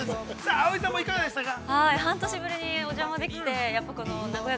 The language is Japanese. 葵さんもいかがでしたか。